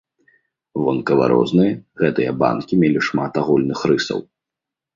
Вонкава розныя, гэтыя банкі мелі шмат агульных рысаў.